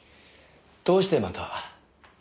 どうしてまた？